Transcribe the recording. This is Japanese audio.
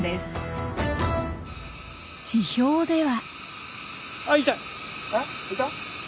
地表では。